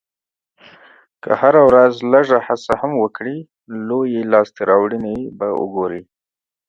که هره ورځ لږه هڅه هم وکړې، لویې لاسته راوړنې به وګورې.